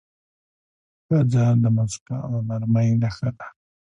ښځه د موسکا او نرمۍ نښه ده.